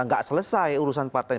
gak selesai urusan partai